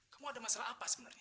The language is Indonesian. kamu ada masalah apa sebenarnya